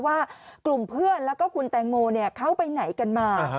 ว่ากลุ่มเพื่อนแล้วก็คุณแตงโมเข้าไปไหนกันมา